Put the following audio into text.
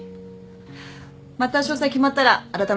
また詳細決まったらあらためて報告します。